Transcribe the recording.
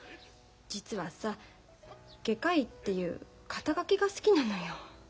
実はさ外科医っていう肩書が好きなのよ。